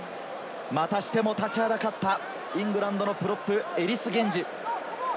またしても立ちはだかったイングランドのプロップ、エリス・ゲンジ。